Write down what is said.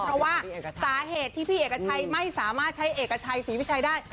เพราะว่าสาเหตุที่พี่เอกชัยไม่สามารถใช้เอกชัยศรีวิชัยได้